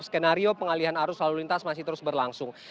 skenario pengalihan arus lalu lintas masih terus berlangsung